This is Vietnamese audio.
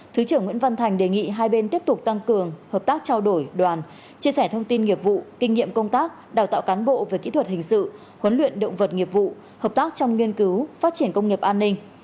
thứ trưởng nguyễn văn thành đề nghị hai bên tiếp tục tăng cường hợp tác trao đổi đoàn chia sẻ thông tin nghiệp vụ kinh nghiệm công tác đào tạo cán bộ về kỹ thuật hình sự huấn luyện động vật nghiệp vụ hợp tác trong nghiên cứu phát triển công nghiệp an ninh